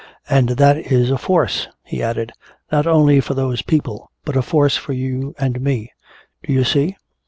And that is a force," he added, "not only for those people but a force for you and me. Do you see?